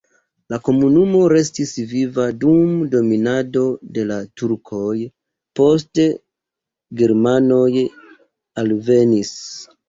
La komunumo restis viva dum dominado de la turkoj, poste germanoj alvenis.